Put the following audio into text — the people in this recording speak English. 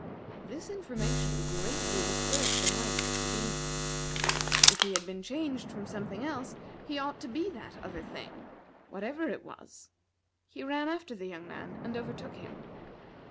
This information greatly disturbed the mind of the Bee man. If he had been changed from something else, he ought to be that other thing, whatever it was. He ran after the young man, and overtook him.